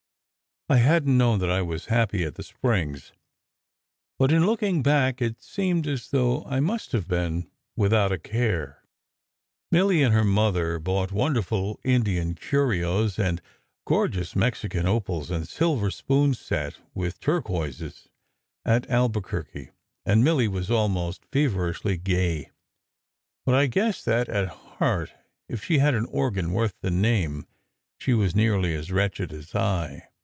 I hadn t known that I was happy at the Springs, but in looking back it seemed as though I must have been with out a care. Milly and her mother bought wonderful Indian curios and gorgeous Mexican opals and silver spoons set with turquoises at Albuquerque, and Milly was almost feverishly gay; but I guessed that at heart, if she had an organ worth the name, she was nearly as wretched as I.